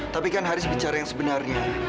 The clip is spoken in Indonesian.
tapi kan haris bicara yang sebenarnya